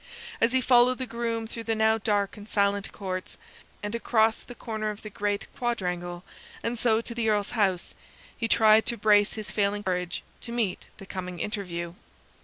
As he followed the groom through the now dark and silent courts, and across the corner of the great quadrangle, and so to the Earl's house, he tried to brace his failing courage to meet the coming interview.